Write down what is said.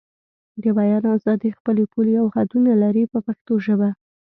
د بیان ازادي خپلې پولې او حدونه لري په پښتو ژبه.